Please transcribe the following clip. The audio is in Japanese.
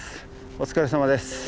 お疲れさまです。